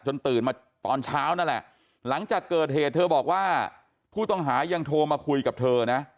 ตื่นมาตอนเช้านั่นแหละหลังจากเกิดเหตุเธอบอกว่าผู้ต้องหายังโทรมาคุยกับเธอนะ